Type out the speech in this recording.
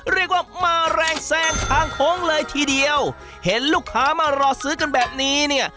เรียกว่ามาแรงแซงทางโค้งเลยทีเดียวเห็นลูกค้ามารอซื้อกันแบบนี้เนี่ย